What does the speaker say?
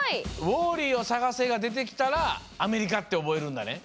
ウォーリーをさがせがでてきたらアメリカっておぼえるんだね。